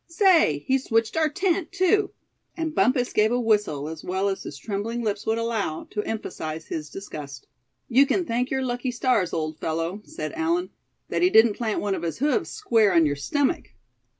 Say, he switched our tent, too!" and Bumpus gave a whistle, as well as his trembling lips would allow, to emphasize his disgust. "You can thank your lucky stars old fellow," said Allan, "that he didn't plant one of his hoofs square on your stomach."